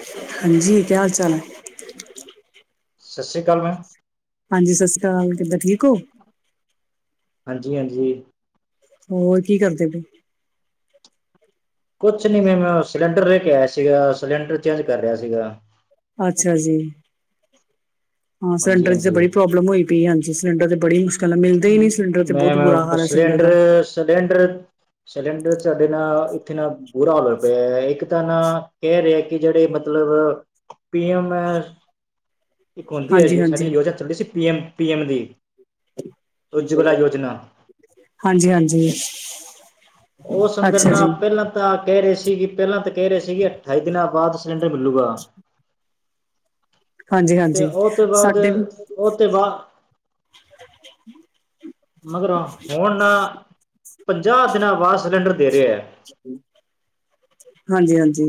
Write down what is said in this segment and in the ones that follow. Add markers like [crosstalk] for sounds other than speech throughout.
ਹਾਂਜੀ, ਕਿਆ ਹਾਲ ਚਾਲ ਐ ਸਤਿ ਸ਼੍ਰੀ ਅਕਾਲ ਮੈਮ ਹਾਂਜੀ ਸਤਿ ਸ਼੍ਰੀ ਅਕਾਲ ਕਿੱਦਾਂ ਠੀਕ ਓ ਹਾਂਜੀ, ਹਾਂਜੀ ਹੋਰ ਕੀ ਕਰਦੇ ਪ ਕੁਛ ਨੀ ਮੈ ਸਿਲੰਡਰ ਲੈ ਕੇ ਆਇਆ ਸੀਗਾ ਸਿਲੰਡਰ ਚੇਂਜ ਕਰ ਰੇਆ ਸੀਗਾ ਅੱਛਾ ਜੀ ਹਾਂ ਹਾਂਜੀ ਸਿਲੰਡਰ ਚ ਹਾਂਜੀ ਬੜੀ ਪ੍ਰੋਬਲਮ ਹੋਈ ਪਈ ਹਾਂਜੀ ਸਿਲੰਡਰ ਦੇ ਬੜੀ ਮੁ ਪੈਲਾਂ ਮਿਲਦਾ ਹੀ ਨੁ ਨਹੀਂ ਸਿਲੰਡਰ ਤੇ ਬਹੁਤ ਬੁਰਾ ਹਾਲ ਹੈ ਸਿਲੰਡਰ ਦਾ ਸਲੇ ਡਰ ਸਿਲੰਡਰ ਸਾਡੇ ਨਾ ਉਥੇ ਨਾ ਬੁਰਾ ਹੋ ਹੋਇਆ ਪਿਐ ਇੱਕ ਤਾਂ ਨਾ ਕੈ ਰੇ ਕੀ ਜੇੜ੍ਹੇ ਮਤਲਬ ਪੀ ਐਮ ਇੱਕ ਹੁੰਦੀ ਆ ਹਾਂਜੀ ਜੀ ਸਾਡੀ ਹਾਂਜੀ ਯੋਜਨਾ ਚੱਲੀ ਸੀ ਪੀ ਐਮ ਪੀ ਐਮ ਦੀ। ਉਜਵਲਾ ਯੋਜਨਾ ਹਾਂਜੀ-ਹਾਂਜੀ ਓ ਸ ਅੰਦਰ ਨਾ ਪੈਲਾਂ ਤਾਂ ਕੈ ਰੇ ਸੀ ਕਿ ਪੈਲਾਂ ਤਾਂ ਕੈ ਰੇ ਸੀਗੇ ਅਠਾਈ ਦਿਨਾਂ ਬਾਦ ਸਿਲੰਡਰ ਮਿਲੁਗਾ। ਹਾਂਜੀ ਤੇ ਹਾਂਜੀ ਓ ਤੇ ਬਾਦ ਸਾਡੇ ਵੀ ਓ ਤੇ ਬਾ [unintelligible] ਮਗਰੋਂ ਹੁਣ ਪੰਜਾਹ ਦਿਨਾਂ ਬਾਦ ਸਿਲੰਡਰ ਦੇ ਰੇ ਐ [unintelligible] ਹਾਂਜੀ-ਹਾਂਜੀ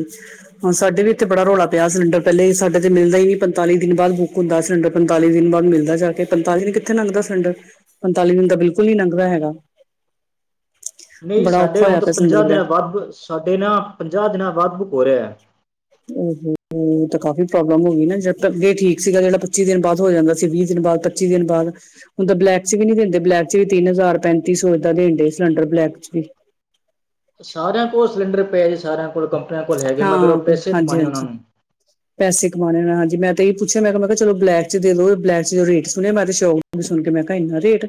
ਹੁਣ ਸਾਡੇ ਵੀ ਇੱਥੇ ਬੜਾ ਰੌਲਾ ਪਿਆ ਸਿਲੰਡਰ ਪੈਲੇ ਈ ਸਾਡੇ ਤੇ ਮਿਲਦਾ ਈ ਨੀ ਪੰਤਾਲੀ ਦਿਨ ਬਾਦ ਬੁੱਕ ਮਿਲਦਾ ਈ ਨੀ ਪੰਤਾਲੀ ਦਿਨ ਬਾਦ ਬੁਕ ਹੁੰਦਾਸਿਲੰਡਰ ਪੰਤਾਲੀ ਦਿਨ ਬਾਦ ਮਿਲਦਾ ਜਾ ਕੇ ਪੰਤਾਲੀ ਦਿਨ ਕਿੱਥੇ ਲੰਗਦਾ ਸਿਲੰਡਰ ਸਿਲੰਡਰ। ਪੰਤਾਲੀ ਦਿਨ ਤਾ ਬਿਲਕੁੱਲ ਨੀ ਲੰਘਦਾ ਹੈਗਾ। [unintelligible] ਨਈ ਬੜਾ ਸਾਡੇ ਔਖਾ ਹੁਣ ਹੋਇਆ ਤਾਂ ਪਿਆ ਸਿਲੰਡਰ ਪੰਜਾਹ ਬਗੈਰ ਦਿਨਾਂ ਵੱਧ ਸਾਡੇ ਨਾ ਪੰਜਾਹ ਦਿਨਾਂ ਬਾਦ ਬੁੱਕ ਹੋ ਰਿਐ। ਤਾਂ ਕਾਫੀ ਪ੍ਰੋਬਲਮ ਹੋਗੀ ਨਾ ਜਾ ਤਾਂ ਅੱਗੇ ਠੀਕ ਸੀਗਾ ਜੇੜਾ ਪੱਚੀ ਦਿਨ ਬਾਦ ਹੋ ਜਾਂਦਾ ਸੀ ਵੀਹ ਦਿਨ ਬਾਦ ਪੱਚੀ ਦਿਨ ਬਾਦ ਹੁਣ ਤਾਂ ਬਲੈਕ ਚ ਵੀ ਨੀ ਦਿੰਦੇ ਬਲੈਕ ਚ ਵੀ ਤਿੰਨ ਹਜ਼ਾਰ ਪੈਂਤੀ ਸੌ ਏਦਾਂ ਦੇਣ ਦੇ ਸਿਲੰਡਰ ਬਲੈਕ ਚ ਵੀ। ਸਾਰਿਆਂ ਕੋਲ ਸਿਲੰਡਰ ਪਏ ਜੀ ਸਾਰਿਆਂ ਕੋਲ ਕੰਪਨੀਆਂ ਕੋਲ ਹੈਗੇ ਹਾਂ ਮਗਰ ਓ ਪੈਸੇ ਹਾਂਜੀ ਕਮਾਣੇ ਉਨਾਂ ਹਾਂਜੀ ਨੂੰ। ਪੈਸੇ ਕਮਾਣੇ ਨੇ ਹਾਂਜੀ ਮੈਂ ਤਾਂ ਏ ਪੁੱਛਿਆ ਮੈਂ ਕਿਆ ਮੈਂ ਕਿਆ ਚਲੋ ਬਲੈਕ ਚ ਦੇ ਦੋ ਬਲੈਕ ਚ ਜੋ ਰੇਟ ਸੁਣਿਆ ਮੈਂ ਤੇ ਸ਼ੋਕ ਸੁਣ ਕੇ ਮੈਂ ਕਾ ਇੰਨਾ ਰੇਟ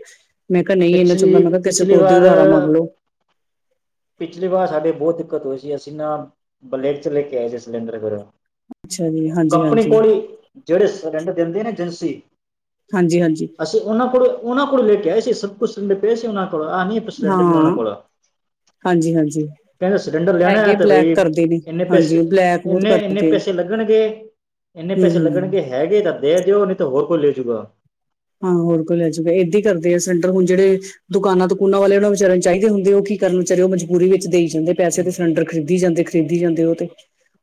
ਮੈਂ ਕਾ ਨਈ ਇੰਨਾ ਚੰਗਾ ਪਿਛਲੀ ਮੈਂ ਕਾ ਕਿਸੇ ਪਿਛਲੀ ਕੋ ਦੀ ਵਾਰ ਉਦਾਰਾ ਮੰਗ ਲੋ। ਪਿਛਲੀ ਵਾਰ ਸਾਡੇ ਬੋਤ ਦਿੱਕਤ ਹੋਈ ਸੀ ਅਸੀਂ ਨਾ ਬਲੇਕ ਚ ਲੈ ਕੇ ਆਏ ਸੀ ਸਿਲੰਡਰ ਫਿਰੋਂ ਅੱਛਾ ਜੀ ਹਾਂਜੀ ਕੰਪਨੀ ਹਾਂਜੀ ਕੋਲ ਈ ਜੇੜੇ ਸਿਲੰਡਰ ਦਿੰਦੇ ਨੇ ਏਜੰਸੀ ਹਾਂਜੀ-ਹਾਂਜੀ ਅਸੀਂ ਓਨਾਂ ਕੋਲੋਂ ਓਨਾਂ ਕੋਲ ਲੈ ਕੇ ਆਏ ਸੀ ਸਭ ਕੁੱਛ ਸਿਲੰਡਰ ਪਏ ਸੀ ਓਨਾਂ ਕੋਲ ਆ ਹੀ ਨ ਸਿਲੰਡ ਨੇ ਓਨਾਂ ਕੋਲ ਹਾਂਜੀ-ਹਾਂਜੀ ਕੈਂਦੇ ਸਿਲੰਡਰ ਲੈਣਾ ਐ ਤੇ ਬਈ ਇੰਨੇ ਹਾਂਜੀ ਪੈਸੇ ਬਲੈਕ ਬਹੁਤ ਇੰਨੇ-ਇੰਨੇ ਕਰਦੇ ਆ ਪੈਸੇ ਲੱਗਣਗੇ। ਇੰਨੇ ਹੂੰ ਪੈਸੇ ਹੂੰ ਲੱਗਣਗੇ ਹੈਗੇ ਤਾਂ ਦੇ ਦਿਓ ਨਈ ਤਾਂ ਹੋਰ ਕੋਈ ਲੈਜੂਗਾ। ਹਾਂ ਹੋਰ ਕੋਈ ਲੈਜੂਗਾ ਏਦਾ ਈ ਕਰਦੇ ਆ ਸਿਲੰਡਰ ਹੁਣ ਜੇੜੇ ਦੁਕਾਨਾਂ ਦਕੂਨਾਂ ਵਾਲੇ ਓਨਾਂ ਵਿਚਾਰਿਆ ਨੂੰ ਚਾਈਦੇ ਹੁੰਦੇ ਓ ਕੀ ਕਰਨ ਵਿਚਾਰੇ ਓ ਵਿਚਾਰੇ ਮਜਬੂਰੀ ਵਿੱਚ ਦੇਈ ਜਾਂਦੇ। ਪੈਸੇ ਤੇ ਸਿਲੰਡਰ ਖਰੀਦੀ ਜਾਂਦੇ ਖਰੀਦੀ ਜਾਂਦੇ ਓ ਤੇ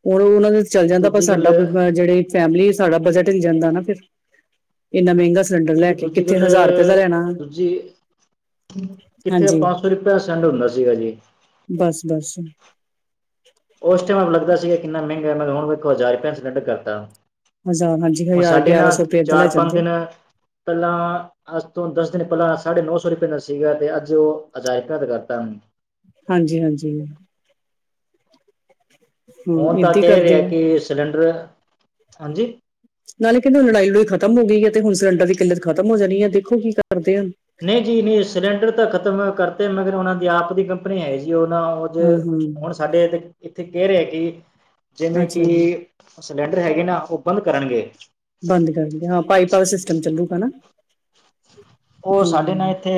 ਹੁਣ ਓਨਾਂ ਦੇ ਚੱਲ ਜਾਂਦਾ ਪਰ ਦੂਜੀ ਗੱਲ ਸਾਡਾ ਬ ਜੇੜੇ ਫੈਮਿਲੀਏ ਸਾਡਾ ਬਜਟ ਹਿਲ ਜਾਂਦਾ ਨਾ ਫਿਰ ਇੰਨਾ ਮੇਂਗਾ ਇਕ ਦੂਜੀ ਗਲ ਦੂਜੀ ਕਿੱਥੇ ਹਾਂਜੀ ਪੰਜ ਸੌ ਰੁਪਇਆ ਸੈਂਡ ਹੁੰਦਾ ਸੀਗਾ ਜੀ। ਬਸ-ਬਸ ਓਸ ਟਾਈਮ ਲੱਗਦਾ ਸੀਗਾ ਕਿੰਨਾ ਮਹਿੰਗਾ ਮੈਂ ਹੁਣ ਇੱਕ ਹਜ਼ਾਰ ਰੁਪਇਆ ਸੱਡ ਕਰਤਾ ਹਜ਼ਾਰ ਹਾਂਜੀ ਹੁਣ ਹਜ਼ਾਰ ਸਾਡੇ ਗਿਆਰਾਂ ਸੌ ਨਾਲ, ਰੁਪਏ ਏਦਾਂ ਚਾਰ ਲੈ ਪੰਜ ਜਾਂਦੇ ਦਿਨ ਪੈਲਾਂ ਅੱਜ ਤੋਂ ਦਸ ਦਿਨ ਪੈਲਾਂ, ਸਾਢੇ ਨੌ ਸੌ ਰੁਪਏ ਦਾ ਸੀਗਾ ਤੇ ਅੱਜ ਓ [unintelligible] ਦਾ ਕਰਤਾ। ਹਾਂਜੀ, ਹਾਂਜੀ। ਹੁਣ ਤਾਂ ਏਦਾਂ ਹੀ ਕੈ ਕਰਦੇ ਰੇ ਆ ਕੀ ਸਿਲੰਡਰ, ਹਾਂਜੀ? ਨਾਲੇ ਕੇਂਦੇ ਹੁਣ ਲੜਾਈ ਲੁੜਈ ਖਤਮ ਹੋ ਗਈ ਐ, ਤੇ ਹੁਣ ਸਿਲੰਡਰ ਦੀ ਕਿੱਲਤ ਖਤਮ ਹੋ ਜਾਣੀ ਐ, ਦੇਖੋ ਕੀ ਕਰਦੇ ਆ। ਨਈ ਜੀ ਨਈ ਸਿਲੰਡਰ ਤਾਂ ਖਤਮ ਕਰਤੇ, ਮਗਰ ਓਨਾ ਦੀ ਆਪ ਦੀ ਕੰਪਨੀ ਐ ਜੀ ਓ ਨਾ ਹਾਂ [unintelligible] ਹੁਣ ਹਾਂ ਸਾਡੇ ਤੇ ਇੱਥੇ ਕੈ ਰੇ ਕੀ, ਜਿਵੇਂ ਕੀ ਅੱਛਾ ਜੀ ਸਿਲੰਡਰ ਹੈਗੇ ਨਾ, ਓ ਬੰਦ ਕਰਨਗੇ। ਬੰਦ ਕਰਨਗੇ, ਹਾਂ, ਪਾਈਪਾਂ ਦਾ ਸਿਸਟਮ ਚੱਲੂਗਾ ਨਾ। ਓ ਸਾਡੇ ਨਾਲ ਹਮ ਏਥੇ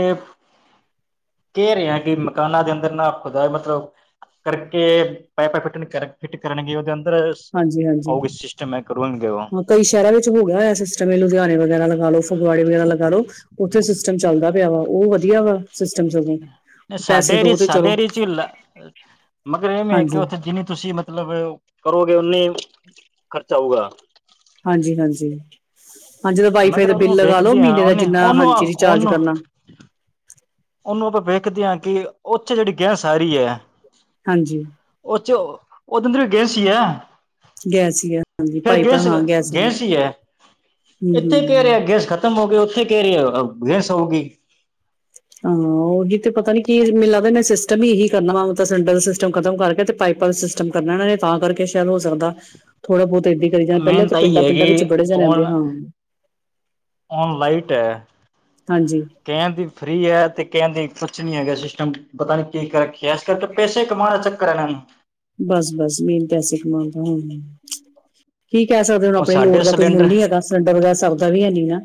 ਕੈ ਰਿਆ, ਕਿ ਮਕਾਨਾਂ ਦੇ ਅੰਦਰ ਨਾ ਖੁਦਾ ਮਤਲਬ ਕਰਕੇ ਪਾਈਪਾਂ ਫਿੱਟ ਕਰ, ਫਿੱਟ ਕਰਨਗੇ ਓਦੇ ਅੰਦਰ। ਹਾਂਜੀ ਹਾਂਜੀ ਓਹੀ ਸਿਸਟਮ, ਮੈਂ ਕਰਨਗੇ ਓ। ਹਾਂ ਕਈ ਸ਼ਹਿਰਾਂ ਵਿੱਚ ਹੋ ਗਿਆ ਉਇਆ ਸਿਸਟਮ, ਇਹ ਲੁਧਿਆਣੇ ਵਗੈਰਾ ਲਗਾ ਲੋ, ਫਗਵਾੜੇ ਵਗੈਰਾ ਲਗਾ ਲੋ। ਉੱਥੇ ਸਿਸਟਮ ਚੱਲਦਾ ਪਿਆ ਵਾ, ਉਹ ਵਧੀਆ ਵਾ ਸਿਸ 'ਨ ਸਾਡੇ ਅਰੀ, ਸਾਡੇ ਅਰੀ 'ਚੁ ਲੇ ਮਗਰ ਇਹ ਮੇ ਕਿ, ਹਾਂਜੀ ਉੱਥੇ ਜਿੰਨੀ ਤੁਸੀਂ ਮਤਲਬ ਕਰੋਗੇ, ਉਨੀ ਖਰਚਾ ਹੋਊਗਾ। ਹਾਂਜੀ-ਹਾਂਜੀ, ਹਾਂ ਜਦੋ ਵਾਈ ਫਾਈ ਮਗਰ ਦਾ ਬਿੱਲ ਉਹਨੂੰ ਲਗਾ ਲੋ, ਵੇਖਦੇ ਆ ਮ੍ਹੀਨੇ ਦਾ ਉਹਨੇ ਜਿੰਨਾ ਉਹਨੂੰ ਹਾਂਜੀ ਰਿਚਾਰਜ ਉਹਨੂੰ ਕਰਨਾ। ਉਹਨੂੰ ਆਪਾਂ ਵੇਖਦੇ ਆ, ਕਿ ਉੱਥੇ ਜਿਹੜੀ ਗੈਸ ਆ ਰੀ ਐ ਹਾਂਜੀ‌। ਉਹ 'ਚ, ਉਹਦਾ ਫੇਰ ਗੈਸ ਈ ਐ। ਗੈਸ ਹੀ ਆ ਹਾਂਜੀ ਫੇਰ ਪਾਈਪ ਗੈਂਸ, ਹਾਂ ਗੈਸ ਵਾਲੀ। ਗੈਂਸ ਈ ਐ, ਹਮ ਇੱਥੇ ਕਹਿ ਹਮ ਰਿਹਾ ਗੈਂਸ ਖਤ ਤਮ ਹੋ ਗਏ, ਉੱਥੇ ਕਹਿ ਰੀ ਅ ਗੈਸ ਹੋਊਗੀ। ਹਾਂ, ਉਹ ਜੀਤੇ ਪਤਾ ਨੀ ਕੀ ਮੇ ਲਗਦਾ ਮੇ ਸਿਸ ਟਮ ਈ ਇਹੀ ਕਰਨਾ ਵਾ, ਉਹ ਤਾਂ ਸਿਲੰਡਰ ਸਿਸਟਮ ਖਤਮ ਕਰਕੇ 'ਤੇ ਪਾਈਪਾਂ ਦਾ ਸਿਸਟਮ ਕਰਨਾ ਇਹਨਾਂ ਨੇ ਤਾਂ ਕਰਕੇ, ਸ਼ਾਇਦ ਹੋ ਸਕਦਾ ਥੋੜਾ ਬਹੋਤ ਏਦਾਂ ਕਰੀ ਜਾਣ, ਪਹਿਲਾਂ ਮੇਨ 'ਤੇ ਤਾਂ ਇਹੀ ਹੈ ਪਿੰਡਾਂ-ਪਿੰਡਾਂ ਵਿੱਚ ਬੜੇ ਕਿ ਜਣੇ ਆਂਦੇ ਹਨ। ਔਣ ਲਾਈਟ ਐ ਹਾਂਜੀ। ਕਹਿਣ ਦੀ ਫ੍ਰਰੀ ਐ, 'ਤੇ ਕਹਿਣ ਦੀ ਕੁਛ ਨੀ ਹੈਗਾ ਸਿਸਟਮ, ਪਤਾ ਨੀ ਕੀ ਕਰ ਰੱਖਿਆ ਕਰਕੇ, ਪੈਸੇ ਕਮਾਣ ਅ ਚੱਕਰ ਏਹਨਾ ਨੂੰ। ਬਸ-ਬਸ, ਮੇਨ ਪੈਸੇ ਕਮਾਣ ਦਾ, ਹੂੰ। ਕੀ ਕਹਿ ਸਕਦੇ ਓ, ਹੁਣ ਆਪਣੀ ਸਾਡੇ ਲੋੜ ਦਾ ਕੋਈ ਮੁੱਲ ਸਿਲੰਡਰ ਨੀ ਹੈਗਾ, ਸਿਲੰਡਰ ਵਗੈਰਾ ਸਰਦਾ ਵੀ ਹੈ ਨੀ ਨਾ।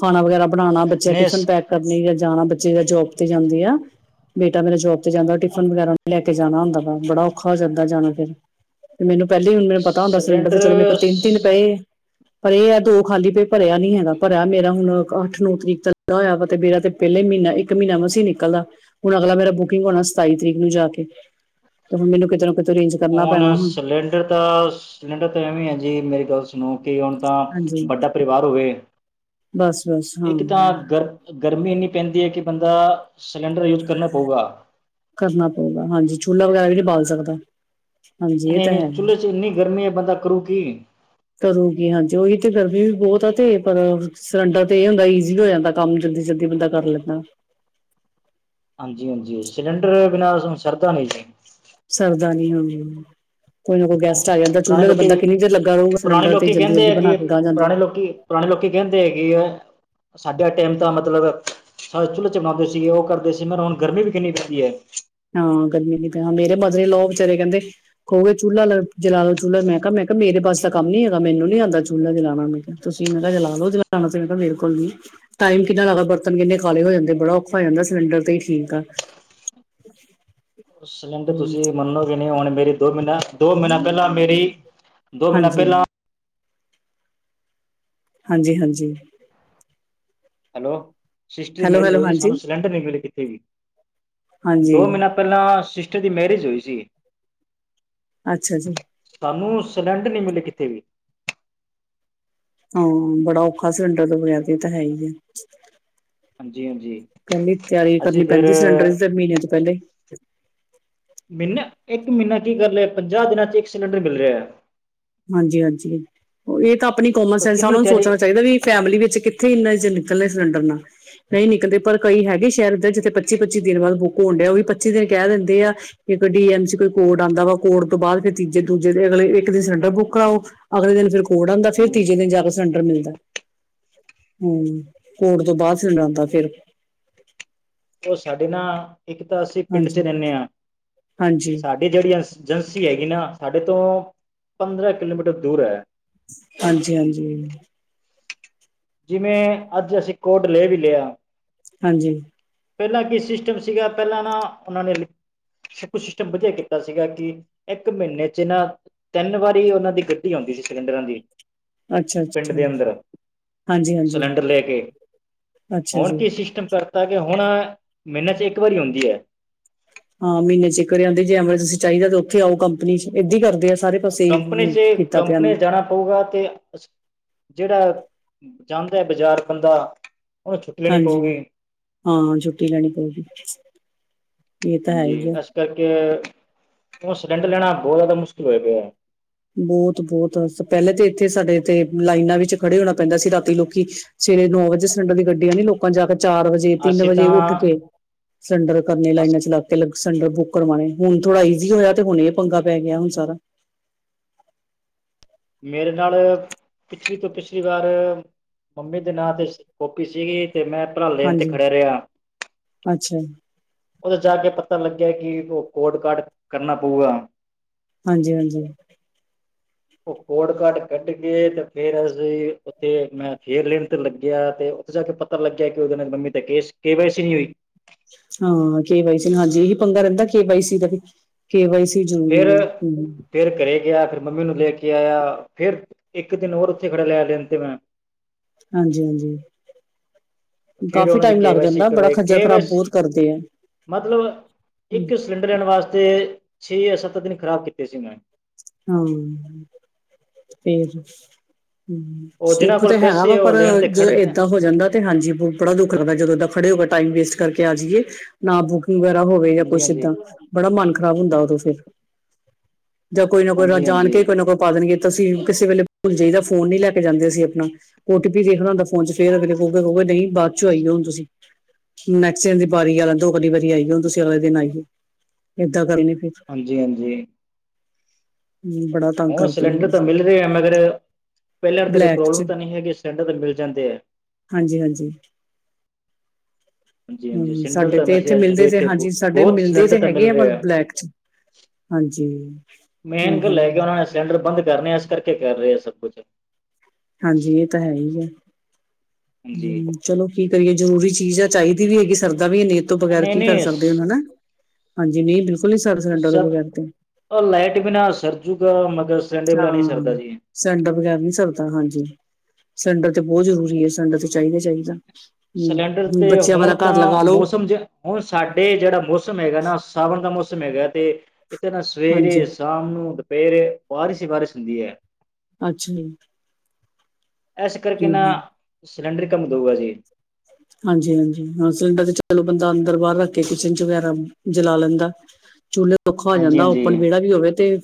ਖਾਣਾ ਵਗੈਰਾ ਬਣਾਣਾ, ਬੱਚੇ ਨੇ ਟਿਫਨ ਪੈਕ ਕਰਨੇ ਜਾਂ ਜਾਣਾ ਬੱਚੇ ਜੋਬ 'ਤੇ ਜਾਂਦੀ ਐ, ਬੇਟਾ ਮੇਰਾ ਜੋਬ 'ਤੇ ਜਾਂਦਾ ਟਿਫਨ ਵਗੈਰਾ ਲੈ ਕੇ ਜਾਣਾ ਹੁੰਦਾ ਵਾ, ਬੜਾ ਔਖਾ ਹੋ ਜਾਂਦਾ ਜਾਣਾ ਫਿਰ। ਮੈਨੂੰ ਪਹਿਲੇ ਈ ਹੁਣ ਮੇਰਾ ਪਤਾ ਹੁੰਦਾ ਸਿਲੰਡਰ, 'ਤੇ ਚਲੋ ਮੇਰੇ ਕੋ ਤਿੰਨ-ਤਿੰਨ ਪਏ। ਪਰ ਇਹ ਐ ਦੋ ਖਾਲੀ ਪੇ ਭਰਿਆ ਨੀ ਹੈਗਾ, ਭਰਿਆ ਮੇਰਾ ਹੁਣ ਅੱਠ ਨੌ ਤਰੀਕ ਤੱਕ ਹੋਇਆ ਵਾ 'ਤੇ ਮੇਰਾ 'ਤੇ ਪਹਿਲਾ ਈ, ਮਹੀਨਾ ਇੱਕ ਮਹੀਨਾ ਮਸੀ ਨਿਕਲਦਾ। ਹੁਣ ਅਗਲਾ ਮੇਰਾ ਬੁਕਿੰਗ ਹੋਣਾ, ਸਤਾਈ ਤਰੀਕ ਨੂੰ ਜਾ ਕੇ। ਤੇ ਹੁਣ ਮੈਨੂੰ ਕਿਤੇ ਨਾ ਕਿਤੋ, ਅਰੇਂਜ ਕਰਨਾ ਹੁਣ ਪੈਣਾ ਹੁ ਸਿਲੰਡਰ ਤਾਂ, ਸਿਲੰਡਰ ਤਾਂ ਐਵੀ ਐ ਜੀ ਮੇਰੀ ਗੱਲ ਨੂੰ ਕਿ ਹੁਣ ਤਾਂ ਹਾਂਜੀ ਵੱਡਾ ਪਰਿਵਾਰ ਹੋਵੇ, ਬਸ ਬਸ ਹਾਂ ਇੱਕ ਤਾਂ ਗਰ ਗਰਮੀ ਏਨੀ ਪੈਂਦੀ ਐ, ਕਿ ਬੰਦਾ ਸਿਲੰਡਰ ਯੂਜ ਕਰਨਾ ਪਊਗਾ। ਕਰਨਾ ਪਊਗਾ ਹਾਂਜੀ, ਚੁੱਲਾ ਵਗੈਰਾ ਵੀ ਨੀ ਬਾਲ ਸਕਦਾ। ਹਾਂਜੀ ਇਹ ਤਾਂ ਨਈ-ਨਈ ਹੈ ਚੁੱਲੇ ਚ ਇੰਨੀ ਗਰਮੀ ਏ ਬੰਦਾ ਕਰੂ ਕੀ। ਕਰੂਗੀ ਹਾਂਜੀ ਉਹੀ ਤੇ ਗਰਮੀ ਵੀ ਬਹੁਤ ਆ ਤੇ ਪਰ ਸਿਲੰਡਰ ਤੇ ਏ ਹੁੰਦਾ ਈਜ਼ੀ ਵੀ ਹੋ ਜਾਂਦਾ ਕੰਮ ਜਲਦੀ-ਜਲਦੀ ਬੰਦਾ ਕਰ ਲੈਂਦਾ। ਹਾਂਜੀ-ਹਾਂਜੀ, ਸਿਲੰਡਰ ਬਿਨਾਂ ਸਾਨੂੰ ਸਰਦਾ ਨਈ ਜੀ। ਸਰਦਾ ਨੀ ਹਂ। ਕੋਈ ਨਾ ਕੋਈ ਉਹ ਗੈਸਟ ਆ ਜਾਂਦਾ, ਪੁਰਾਣੇ ਚੁੱਲ੍ਹੇ ਤੇ ਬੰਦਾ ਲੋਕੀ ਕਿੰਨੀ ਦੇਰ ਲੱਗਾ ਰਊਗਾ ਪੁਰਾਣੇ ਸਿਲਡਰ ਤੇ ਲੋਕੀ ਕਹਿੰਦੇ ਜਲਦੀ-ਜਲਦੀ ਆ ਬਣਾ ਕਿ ਕੇ ਗਾਂ ਜਾਂਦਾ। ਪੁਰਾਣੇ ਲੋਕੀ ਪੁਰਾਣੇ ਲੋਕੀ ਕਹਿੰਦੇ ਐ ਕਿ ਉ ਸਾਡਾ ਟਾਈਮ ਤਾਂ ਮਤਲਬ ਸਾਰੇ ਚੁੱਲ੍ਹੇ ਚ ਬਣਾਉਂਦੇ ਸੀ, ਉਹ ਕਰਦੇ ਸੀ ਮੈਂ ਹੁਣ ਗਰਮੀ ਵੀ ਕਿੰਨੀ ਪੈਦੀ ਐਂ। ਹਾਂ ਗਰਮੀ ਵੀ ਤਾਂ ਮੇਰੇ ਮਦਰ ਇੰਨ ਲੋ ਵਿਚਾਰੇ ਕੇਂਦੇ ਖੋਵੇ ਚੁੱਲਾ ਲ ਜਲਾਲੋ ਚੁੱਲਾ ਮੈਂ ਕਿਆ, ਮੈਂ ਕਿਆ ਮੇਰੇ ਬਸ ਦ ਕੰਮ ਨੀ ਹੈਗਾ, ਮੈਨੂੰ ਨੀ ਆਂਦਾ ਚੁੱਲਾ ਜਲਾਣਾ ਮੈਂ ਕਿਆ। ਤੁਸੀਂ ਮੈਂ ਕਿਆ ਜਲਾਲੋ ਜਲਾਣਾ ਤੇ ਮੈਂ ਕਿਆ ਮੇਰੇ ਕੋਲ ਨਈ। ਟਾਈਮ ਕਿੰਨਾ ਲਾਗਾ ਬਰਤਨ ਕਿੰਨੇ ਕਾਲੇ ਹੋ ਜਾਂਦੇ, ਬੜਾ ਔਖਾ ਹੋ ਜਾਂਦਾ, ਸਿਲੰਡਰ ਤੇ ਈ ਠੀਕ ਆ। [inaudible] ਸਿਲੰਡਰ ਤੁਸੀਂ ਮੰਨੋਗੇ ਨੀ ਹੁਣ ਮੇਰੀ ਦੋ ਮ੍ਹੀਨਾ, ਦੋ ਮ੍ਹੀਨਾ ਪਹਿਲਾਂ ਮੇਰੀ ਦੋ ਮ੍ਹੀਨਾ ਹਾਂਜੀ ਪਹਿਲਾਂ ਹਾਂਜੀ-ਹਾਂਜੀ। ਹੈਲੋ ਸਿਸਟਰੀ ਹੈਲੋ ਮੈਰਿਜ ਹੈਲੋ ਹੋਏ ਹਾਂਜੀ ਸਾਨੂੰ ਸਿਲੰਡਰ ਨੀ ਮਿਲੇ ਕਿਤੇ ਵੀ, ਹਾਂਜੀ ਦੋ ਮ੍ਹੀਨਾ ਪਹਿਲਾਂ ਸਿਸਟਰ ਦੀ ਮੈਰਿਜ ਹੋਈ ਸੀ। ਅੱਛਾ ਜੀ। ਸਾਨੂੰ ਸਿਲੰਡਰ ਨਈਂ ਮਿਲੇ, ਕਿਤੇ ਵੀ। ਹਾਂ, ਬੜਾ ਔਖਾ ਸਿਲੰਡਰ ਤੋਂ ਵਗੈਰ ਏ ਤਾਂ ਹੈ ਹੀ ਐ। ਹਾਂਜੀ ਹਾਂਜੀ ਪੂਰੀ ਤਿਆਰੀ ਅਸੀਂ ਕਰਨੀ ਫਿਰ ਪੈਂਦੀ, ਸਿਲੰਡਰ ਦੀ ਤੇ ਮਹੀਨੇ ਤੋਂ ਪਹਿਲੇ। ਮਹੀਨਾ ਤਾਂ ਛੱਡੋ, ਹੁਣ ਤਾਂ ਪੰਜਾਹ ਦਿਨਾਂ ਵਿੱਚ ਇੱਕ ਸਿਲੰਡਰ ਮਿਲ ਰਿਆ। ਹਾਂਜੀ, ਹਾਂਜੀ, ਇਹ ਤਾਂ ਆਪਣੀ ਕਾਮਨ ਤਾਂ ਸੈਂਸ ਆਂ। ਕਿੰਨੀ ਉਨ੍ਹਾਂ ਨੂੰ ਤਿਆਰੀ ਸੋਚਣਾ ਚਾਈਦਾ ਵੀ ਫੈਮਿਲੀ ਵਿੱਚ ਕਿੱਥੋਂ ਇੰਨਾ [unintelligible] ਸਿਲੰਡਰ ਨੂੰ। ਨਈਂ ਨਿਕਲਦੇ, ਪਰ ਕਈ ਹੈਗੇ ਸੈ਼ਰ੍ਹ ਇਦਾਂ ਜਿੱਥੇ ਪੱਚੀ-ਪੱਚੀ ਦਿਨਾਂ ਬਾਅਦ ਬੁੱਕ ਹੋਣ ਡਿਆ, ਉਹ ਵੀ ਪੱਚੀ ਦਿਨ ਕੈਅ ਦਿੰਦੇ ਆ। ਇੱਕ ਡੀਐਮਸੀ ਕੋਈ ਕੋਡ ਆਂਦਾ ਵਾ, ਕੋਡ ਤੋਂ ਬਾਅਦ ਫਿਰ ਤੀਜੇ-ਦੂਜੇ ਦਿਨ ਅਗਲੇ ਇੱਕ ਦਿਨ ਸਿਲੰਡ ਫੇਰ ਬੁੱਕ ਕਰਾਓ, ਅਗਲੇ ਦਿਨ ਕੋਡ ਆਂਦਾ ਤੇ ਫਿਰ ਹੂੰ ਤੀਜੇ ਦਿਨ ਜਾ ਕੇ ਸਿਲੰਡਰ ਮਿਲਦਾ। ਹਂ, ਕੋਡ ਤੋਂ ਬਾਅਦ ਸਿਲੰਡਰ ਆਂਦਾ ਫਿਰ। ਉਹ ਸਾਡੇ ਨਾਲ ਇਕ ਤਾਂ ਅਸੀਂ ਪਿੰਡ ਚ ਹਾਂਜੀ ਰੇਣੇ ਆਂ। ਹਾਂਜੀ ਏ ਜੇੜੀ ਅਸ ਐਜੰਸੀ ਹੈਗੀ ਨਾ, ਉਹ ਸਾਡੇ ਤੋਂ ਪੰਦਰਾਂ ਕਿਲੋਮੀਟਰ ਦੂਰ ਐ। ਹਾਂਜੀ ਹਾਂਜੀ ਜਿਵੇਂ ਅੱਜ ਅਸੀਂ ਕੋਟ ਲੈ ਵੀ ਲਿਆ ਹਾਂਜੀ। ਪਹਿਲਾਂ ਕੀ ਸਿਸਟਮ ਸੀਗਾ, ਪਹਿਲਾਂ ਨਾ ਉਹਨਾਂ ਨੇ ਕੁਝ ਸਿਸਟਮ ਵਧੀਆ ਕੀਤਾ ਸੀਗਾ ਕਿ ਇੱਕ ਮੀਨ੍ਹੇ ਚ ਨਾ ਤਿੰਨ ਵਾਰੀ ਉਹਨਾਂ ਦੀ ਗੱਡੀ ਆਂਦੀ ਸੀ ਸਿਲੰਡਰਾਂ ਦੀ। ਅੱਛਾ ਪਿੰਡ ਅੱਛਾ ਦੇ ਅੰਦਰ ਹਾਂਜੀ ਹਾਂਜੀ ਸਿਲੰਡਰ ਲੈ ਕੇ। ਅੱਛਾ ਹੁਣ ਜੀ ਕੀ ਸਿਸਟਮ ਕਰਤਾ ਕੀ ਹੁਣ ਮਹੀਨੇ ਚ ਇੱਕ ਵਾਰੀ ਆਉਂਦੀ ਐ। ਹਾਂ, ਮਹੀਨੇ ਵਿੱਚ ਇੱਕ ਵਾਰੀ ਆਉਂਦੀ ਜੇ ਐਮਰਜੰਸੀ ਚਾਈਦਾ ਤੇ ਉਥੇ ਆਓ ਕੰਪਨੀ ਚ ਇਦਾਂ ਈ ਕਰਦੇ ਆ ਸਾਰੇ। ਪਾਸੇ ਕੰਪਨੀ ਇਹੀ ਚ ਕੀਤਾ ਪਿਆ ਕੰਪਨੀ ਨੇ ਜਾਣਾ ਪਊਗਾ ਤੇ। ਜਿਹੜਾ ਜਾਂਦਾ ਬਜ਼ਾਰ ਬੰਦਾ ਉਹਨੂੰ ਛੁੱਟੀ ਲੈਣੀ ਹਾਂਜੀ, ਪਊਗੀ ਹਾਂ ਛੁੱਟੀ ਲੈਣੀ ਪਊਗੀ। ਇਹ ਹਾਂ ਤਾਂ ਹੈ ਜੀ, ਹੀ ਆ ਇਸ ਕਰਕੇ ਹੁਣ ਸਿਲੰਡਰ ਲੈਣਾ ਬੋਹਤ ਜ਼ਿਆਦਾ ਮੁਸ਼ਕਲ ਹੋਇਆ ਪਿਆ। ਬੋਤ ਬੋਤ ਪਹਿਲੇ ਤੇ ਇੱਥੇ ਸਾਡੇ ਇਥੇ ਲਾਈਨਾਂ ਵਿੱਚ ਖੜ੍ਹੇ ਹੋਣਾ ਪੈਂਦਾ ਸੀ। ਰਾਤੀ ਲੋਕੀ ਸਵੇਰੇ ਨੌਂ ਵਜੇ ਸਿਲੰਡਰਾਂ ਦੀ ਗੱਡੀ ਆਣੀ, ਲੋਕ ਰਾਤ ਦੇ ਚਾਰ ਵਜੇ ਰੇ ਤਿੰਨ ਅਸੀਂ ਵਜੇ ਤਾਂ ਉੱਠ ਕੇ, ਸਿਲੰਡਰ ਕਰਨੇ ਲਾਈਨਾਂ ਵਿੱਚ ਲੱਗ ਕੇ ਲੱਗ ਸਿਲੰਡਰ ਬੁੱਕ ਕਰਾਣੇ, ਹੁਣ ਥੋੜਾ ਇਜੀ ਹੋਇਆ ਤੇ ਹੁਣ ਇਹ ਪੰਗਾ ਪੈ ਗਿਆ ਹੁਣ ਸਾਰਾ। ਮੇਰੇ ਨਾਲ ਪਿਛਲੀ ਤੋਂ ਪਿਛਲੀ ਵਾਰ ਮੰਮੀ ਦੇ ਨਾਂ 'ਤੇ ਸੀ-ਕੋਪੀ ਸੀਗੀ, ਤੇ ਮੈਂ ਭਰਵਾਉਣ ਲਈ ਲਾਈਨ ਹਾਂਜੀ ਖੜਾ ਰਿਹਾ। ਅੱਛਾ ਜੀ। ਉਹ ਜਾ ਕੇ ਪਤਾ ਲੱਗਿਆ ਕਿ ਉਹ ਕੋਟ ਕਾਰਡ ਕਰਣ ਨਾ ਪਊ ਗਾ। ਹਾਂਜੀ ਹਾਂਜੀ। [unintelligible] ਉਹ ਕੋਡ ਕਾਰਟ ਕੱਢ ਕੇ ਤੇ ਫੇਰ ਅਸੀਂ ਉੱਥੇ ਮੈਂ ਫੇਰ ਲਾਈਨ ਲੱਗਿਆ ਤੇ- ਅੱਛਾ ਉਥੇ ਪੱਤਾ ਲੱਗਿਆ ਕੇ ਮੰਮੀ ਦੇ ਨਾਮ ਤੇ ਕੇਸ-ਕੇ ਵਾਈਸੀ ਨਹੀਂ ਹੋਈ ਹੂੰ, ਕੇਵਾਈਸੀ ਹੋਣੀ ਚਾਹੀਦੀ ਇਹੀ ਪੰਗਾ ਰਹਿੰਦਾ ਸੀ ਕਿ ਵਾਈ ਸੀ ਦਾ ਵੀ। ਕੇ ਵਾਈ ਸੀ ਫੇਰ ਜ਼ਰੂਰੀ ਐ। ਹੂੰ ਫੇਰ ਘਰੇ ਗਿਆ ਫਿਰ ਮੰਮੀ ਨੂੰ ਲੈ ਕੇ ਆਇਆ। ਫੇਰ ਇੱਕ ਦਿਨ ਹੋਰ ਉੱਥੇ ਖੜਾ ਰਿਹਾ ਲੈਣ ਤੋ। ਹਾਂਜੀ ਹਾਂਜੀ ਫੇਰ ਕਾਫ਼ੀ ਉਹਨਾਂ ਦੀ ਟਾਈਮ ਕੇ ਲੱਗ ਵਾਈ ਸੀ ਜਾਂਦਾ ਬੜਾ ਕਰਵਾਈ ਕੇ ਖੱਜਲ-ਖੁਆਰ ਵਾਈ ਸੀ ਬੋਤ ਕਰਦੇ ਐ। ਮਤਲਬ ਹੂੰ ਇੱਕ ਸਿਲੰਡਰ ਲੈਣ ਵਾਸਤੇ, ਛੇ ਯਾ ਸੱਤ ਦਿਨ ਖ਼ਰਾਬ ਕੀਤੇ ਸੀ ਮੈ। ਹੂੰ, ਹਾਂ ਫੇਰ ਹੂੰ ਉਹ ਜਿਹਨਾਂ ਸੁੱਖ ਕੋਲ ਤੇ ਹੈ ਗਾ ਪੈਸੇ ਉਹ ਪਰ, ਲੈਣ ਤੇ ਜਦੋਂ ਖੜਦੇ ਇਦਾਂ ਆ। ਦਾ ਹੋ ਜਾਂਦਾ ਹੈ। ਤੇ ਹਾਂ ਜੀ, ਬੜਾ ਦੁੱਖ ਲੱਗਦਾ ਜਦੋਂ ਐਦਾਂ ਖੜ੍ਹੇ ਹੋ ਕੇ ਟਾਈਮ ਵੇਸਟ ਕਰਕੇ ਆ ਜੀਏ। ਨਾ ਬੁਕ ਵਗੈਰਾ ਹੋਵੇ ਜਾਂ ਹਾਂਜੀ ਕੁਛ ਹਾਂਜੀ ਇੱਦਾਂ ਬੜਾ ਮਨ ਖ਼ਰਾਬ ਹੁੰਦਾ ਉਦੋਂ ਫਿਰ ਜਾਂ ਕੋਈ ਨਾ ਕੋਈ ਹਾਂਜੀ ਜਾਣ ਹਾਂਜੀ ਕੇ ਕੋਈ ਨਾ ਕੋਈ ਪਾ ਦੇਣਗੇ ਤਾਂ ਅਸੀਂ ਕਿਸੇ ਵੇਲੇ ਭੁੱਲ ਜਾਈਦਾ ਫੋਨ ਨੀ ਲੈ ਕੇ ਜਾਂਦੇ ਅਸੀਂ ਆਪਣਾ। ਓ-ਟੀ-ਪੀ ਦੇਖਣਾ ਹੁੰਦਾ ਫੋਨ ਚ ਫੇਰ ਅੱਗੋ ਕਿਹਗੇ ਕਿਹ ਨਹੀਂ ਬਾਦ ਚੋਂ ਆਈਏ ਹੁਣ ਤੁਸੀਂ। ਨੈਕਸਟ ਦੀ ਵਾਰੀ ਆਣ ਲੈਂਣ ਦੋ ਹੁਣ ਅਗਲੀ ਵਾਰੀ ਆਈਏ ਹੁਣ ਤੁਸੀਂ ਅਗਲੇ ਦਿਨ ਆਈਓ, ਏਦਾਂ ਕਰਨ ਲਈ ਫਿਰ। ਹਾਂਜੀ ਹਾਂਜੀ। ਹੂੰ ਬੜਾ ਤੰਗ ਉਹ ਕਰਦੇ ਆ ਸਿਲੰਡਰ ਤਾਂ ਅਸੀਂ ਮਿਲ ਰਹੇ ਆ ਮਗਰ ਪਹਿਲਾਂ ਤੇਰੇ ਬਲੈਕ ਚ ਪ੍ਰੋਬਲਮ ਤਾਂ ਨੀ ਹੈਗੀ ਸਿਲੰਡਰ ਤੇ ਮਿਲ ਜਾਂਦੇ ਐ। ਹਾਂਜੀ ਹਾਂਜੀ। ਹਾਂਜੀ ਹਾਂਜੀ ਹੂੰ ਸਿਲੰਡਰ ਸਾਡੇ ਤਾਂ ਤੇ ਇੱਥੇ ਵੈਸੇ ਅੱਜ ਮਿਲਦੇ ਸਾਡੇ ਤੇ ਇੱਥੇ ਹਾਂਜੀ ਸਾਡੇ ਬਹੁਤ ਮਿਲਦੇ ਤੇ ਸਿਲੰਡਰ ਤਾਂ ਹੈਗੇ ਮਿਲ ਆ ਪਰ ਰਹੇ ਬਲੈਕ ਚ। ਹਾਂਜੀ। ਮੇਨ ਹਮ ਗੱਲ ਹਮ ਹੈਗੀ ਸਿਲੰਡਰ ਬੰਦ ਕਰਨੇ ਇਸ ਕਰਕੇ ਕਰ ਰਹੇ ਐ ਸਭ ਕੁਛ। ਹਾਂਜੀ ਇਹ ਤਾਂ ਹੈ ਹੀ ਐ, ਹਾਂਜੀ ਹੂੰ ਚਲੋ ਠੀਕ ਐ ਜੀ ਜ਼ਰੂਰੀ ਚੀਜ਼ ਆ ਚਾਹੀਦੀ ਵੀ ਹੈਗੀ ਸਰਦਾ ਵੀ ਹੈ ਨੀ ਏ ਤੋਂ ਬਗੈਰ ਨਹੀਂ ਕੀ ਕਰ ਨਹੀਂ ਸਕਦੇ ਹਨਾ। ਹਾਂਜੀ ਨਹੀਂ ਬਿਲਕੁਲ ਨੀ ਸਰ ਸਕਦਾ ਸਿਲੰਡਰ ਦੇ ਬਗੈਰ ਤਾ। ਓ ਲਾਈਟ ਬਿਨਾ ਸਰਜੁਗਾ ਮਗਰ ਸਿਲੰਡਰ ਬਿਨਾਂ ਨਹੀਂ ਹਾਂ। ਸਰਦਾ ਜੀ ਸਿਲੰਡਰ ਬਗੈਰ ਨਹੀਂ ਸਰਦਾ ਹਾਂਜੀ, ਸਿਲੰਡਰ ਤੇ ਬਹੁਤ ਜ਼ਰੂਰੀ ਹੈ ਸਿਲੰਡਰ ਤੇ ਚਾਹੀਦਾ -ਚਾਹੀਦਾ। ਸਿਲੰਡਰ ਹਮ ਤੇ ਬੱਚਿਆਂ ਹੁਣ ਵਾਲਾ ਤੋ ਘਰ ਲਗਾ ਲਓ ਮੌਸਮ ਜ ਹੁਣ ਸਾਡੇ ਜਿਹੜਾ ਮੌਸਮ ਹੈਗਾ ਨਾ ਸਾਵਣ ਦਾ ਮੌਸਮ ਹੈਗਾ ਤੇ ਇੱਥੇ ਨਾ ਹਾਂਜੀ, ਸਵੇਰੇ ਸ਼ਾਮੀ ਨੂੰ ਦੁਪਹਿਰੇ ਬਾਰਿਸ਼ ਹੀ ਬਾਰਿਸ਼ ਹੁੰਦੀ ਐ। ਅੱਛਾ ਇਸ ਕਰਕੇ ਨਾ, ਹੂੰ-ਹੂੰ, ਸਿਲੰਡਰ ਕੰਮ ਦੂਗਾ ਜੇ। ਹਾਂਜੀ ਹਾਂਜੀ ਹਾਂ ਸਿਲੰਡਰ ਤੇ ਚਲੋ ਬੰਦਾ ਅੰਦਰ- ਬਾਹਰ ਰੱਖ ਕੇ ਕਿਚਨ ਚ ਵਗੈਰਾ ਜਲਾ ਲੈਂਦਾ। ਚੁੱਲੇ ਵੀ ਔਖਾ ਹੋ ਹਾਂਜੀ ਜਾਂਦਾ ਓਪਨ ਹਾਂਜੀ ਵਿਹੜਾ ਵੀ ਹੋਵੇ ਤੇ